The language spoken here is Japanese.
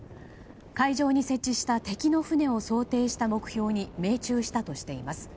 海上に設置した敵の船を想定した目標に命中したとしています。